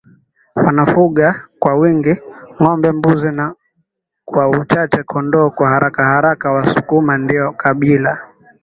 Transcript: wanafuga kwa wingi ngombembuzi na kwa uchache kondooKwa harakaharaka wasukuma ndio kabila